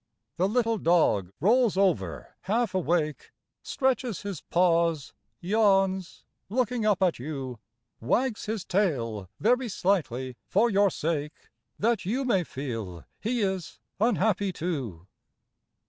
The little dog rolls over half awake, Stretches his paws, yawns, looking up at you, Wags his tail very slightly for your sake, That you may feel he is unhappy too.